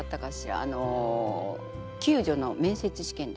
あの宮女の面接試験で。